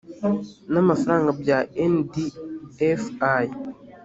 n amafaranga bya ndfi